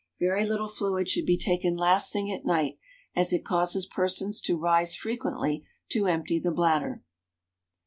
Very little fluid should be taken last thing at night, as it causes persons to rise frequently to empty the bladder.